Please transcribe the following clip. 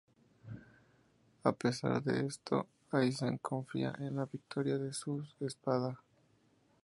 A pesar de esto Aizen confía en la victoria de sus "Espada".